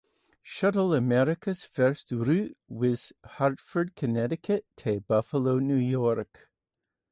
Shuttle America's first route was Hartford, Connecticut to Buffalo, New York.